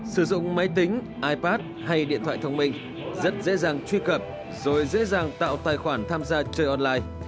sử dụng máy tính ipad hay điện thoại thông minh rất dễ dàng truy cập rồi dễ dàng tạo tài khoản tham gia chơi online